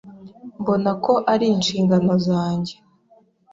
Mbona ko ari inshingano zanjye.